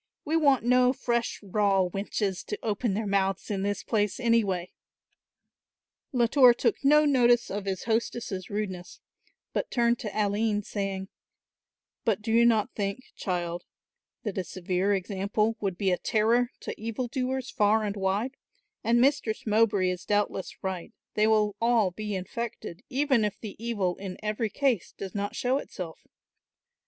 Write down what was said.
We want no fresh raw wenches to open their mouths in this place, anyway." Latour took no notice of his hostess' rudeness, but turned to Aline saying, "But do you not think, child, that a severe example would be a terror to evil doers far and wide, and Mistress Mowbray is doubtless right, they will all be infected, even if the evil in every case does not show itself.